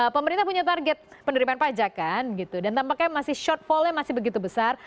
pemerintah punya target penerimaan pajak kan gitu dan tampaknya masih shortfallnya masih begitu besar